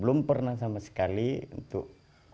belum pernah sama sekali untuk